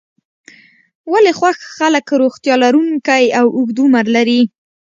ولې خوښ خلک روغتیا لرونکی او اوږد عمر لري.